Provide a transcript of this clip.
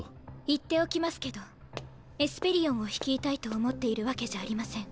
言っておきますけどエスペリオンを率いたいと思っているわけじゃありません。